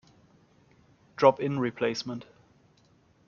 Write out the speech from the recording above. Drop-in replacement